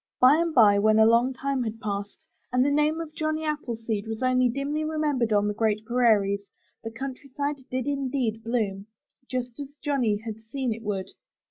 By and by, when a long time had passed, and the name of Johnny Appleseed was only dimly remembered on the great prairies, the countryside did indeed bloom, just as Johnny had seen it would.